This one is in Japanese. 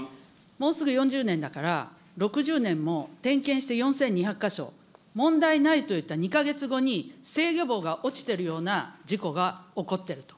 もうすぐ４０年だから、６０年も点検して４２００か所、問題ないといった２か月後に、制御棒が落ちてるような事故が起こってると。